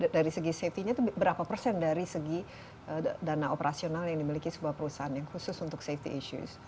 dari segi safety nya itu berapa persen dari segi dana operasional yang dimiliki sebuah perusahaan yang khusus untuk safety issues